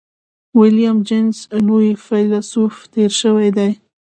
ويليم جېمز لوی فيلسوف تېر شوی دی.